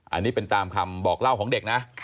อันนี้เป็นตามคำบอกเล่าของเด็กนะ